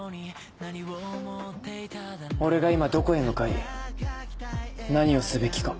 俺が今どこへ向かい何をすべきか。